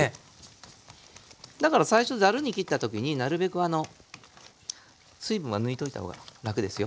だから最初ザルに切った時になるべく水分は抜いといたほうが楽ですよ。